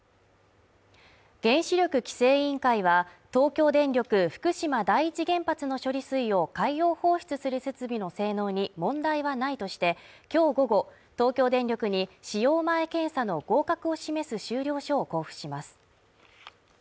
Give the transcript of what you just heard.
原子力規制委員会は、東京電力福島第一原発の処理水を海洋放出する設備の性能に問題はないとして、今日午後、東京電力に使用前検査の合格を示す終了証を交付します。